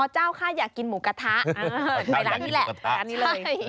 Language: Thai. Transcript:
เจ้าค่ะอยากกินหมูกระทะไปร้านนี้แหละไปร้านนี้เลย